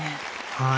はい。